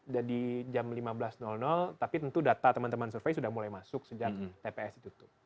jadi jam lima belas tapi tentu data teman teman survei sudah mulai masuk sejak tps ditutup